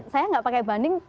saya gak pakai banding